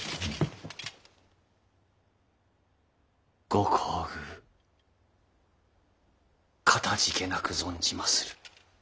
ご厚遇かたじけなく存じまする。